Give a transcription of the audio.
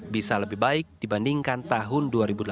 bisa lebih baik dibandingkan tahun dua ribu delapan belas